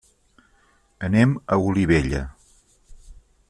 Anem a Olivella.